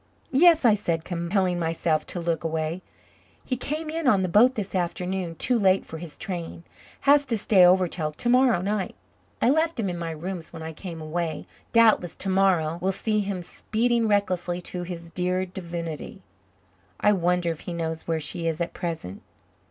"Yes," I said, compelling myself to look away. "He came in on the boat this afternoon too late for his train. Has to stay over till to morrow night. I left him in my rooms when I came away. Doubtless to morrow will see him speeding recklessly to his dear divinity. I wonder if he knows where she is at present."